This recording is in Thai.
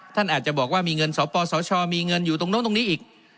ท่านอาจจะบอกว่ามีเงินสปสชมีเงินอยู่ตรงนู้นตรงนี้อีก